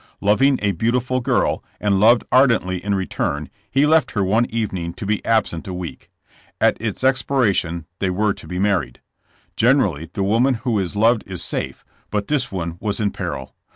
Loving a beautiful girl, and loved ardently in return, he left J^er one evening to be absent a week. At its expiration they were to be married. Generally the woman who is loved is safe, but this one was in peril.